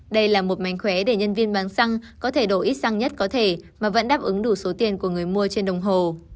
đây là một mánh khóe để nhân viên bán xăng có thể đổ ít sang nhất có thể mà vẫn đáp ứng đủ số tiền của người mua trên đồng hồ